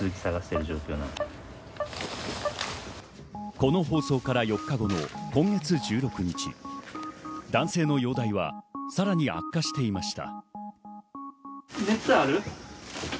この放送から４日後の今月１６日、男性の容体はさらに悪化していました。